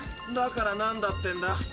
だから何だってんだ。